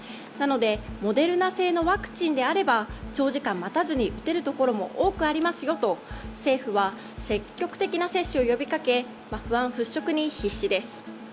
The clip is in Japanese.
なのでモデルナ製のワクチンであれば長時間待たずに打てるところも多くありますよと政府は積極的な接種を呼びかけ不安払しょくに必死です。